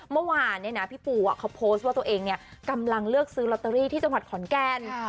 เมื่อวานเนี่ยนะพี่ปูเขาโพสต์ว่าตัวเองกำลังเลือกซื้อลอตเตอรี่ที่จังหวัดขอนแก่น